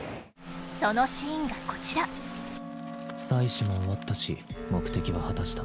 そのシーンが、こちらアクア：採取も終わったし目的は果たした。